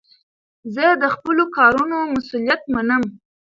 زه د خپلو کارونو مسئولیت منم.